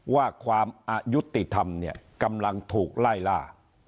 ว่าความอายุติธรรมเนี่ยกำลังถูกไล่ล่า